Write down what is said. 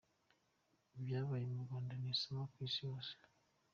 Ibyabaye mu Rwanda ni isomo ku isi hose.